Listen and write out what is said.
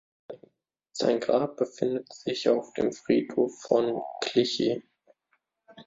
Sein Grab befindet sich auf dem Friedhof von Clichy.